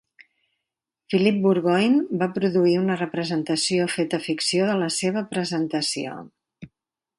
Philip Burgoyne va produir una representació feta ficció de la seva presentació.